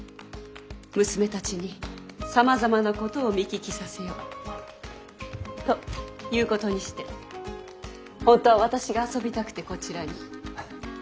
娘たちにさまざまなことを見聞きさせようということにして本当は私が遊びたくてこちらに。